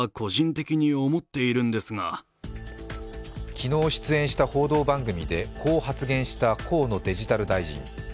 昨日出演した報道番組でこう発言した河野デジタル大臣。